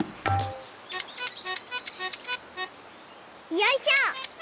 よいしょ！